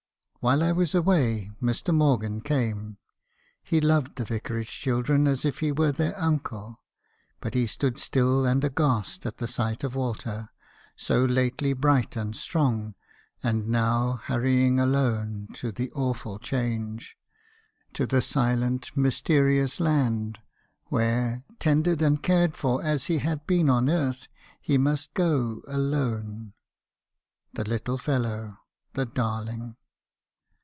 While I was away, Mr. Morgan came. He loved the vicarage children as if he were their uncle; but he stood still and aghast at the sight of Walter, — so lately bright and strong, — and now hurrying alone to the awful change ,— to the silent mysterious land, where, tended and cared for as he had been on earth, he must go — alone. The little fellow ! the darling